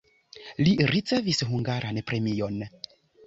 Li ricevis hungaran premion.